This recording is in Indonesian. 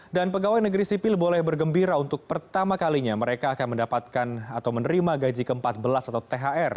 dan pegawai negeri sipil boleh bergembira untuk pertama kalinya mereka akan mendapatkan atau menerima gaji ke empat belas atau thr